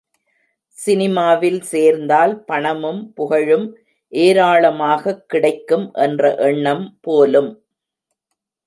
சினிமாவில் சேர்ந்தால் பணமும் புகழும் ஏராளமாகக் கிடைக்கும் என்ற எண்ணம் போலும்.